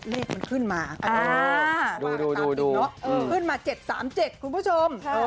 เลขมันขึ้นมาดูขึ้นมา๗๓๗คุณผู้ชม